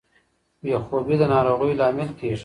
بې خوبي د ناروغۍ لامل کیږي.